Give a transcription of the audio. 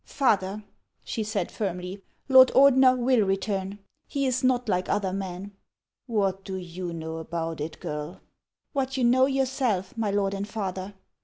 " Father," she said firmly, " Lord Ordener will return ; he is not like other men." " What do you know about it, girl ?"" What you know yourself, my lord and father."